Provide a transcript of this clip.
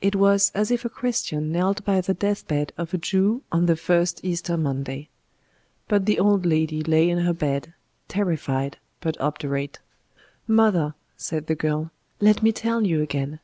It was as if a Christian knelt by the death bed of a Jew on the first Easter Monday. But the old lady lay in her bed, terrified but obdurate. "Mother," said the girl, "let me tell you again.